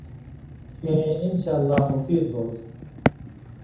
کھیں انشاءاللہ مفید ہوتُھو۔